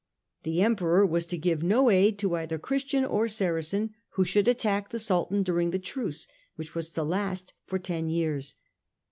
The Emperor was to give no aid to either Christian or Saracen who should attack the Sultan during the Truce, which was to last for ten years.